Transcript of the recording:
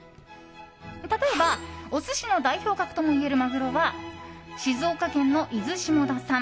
例えば、お寿司の代表格ともいえるマグロは静岡県の伊豆下田産。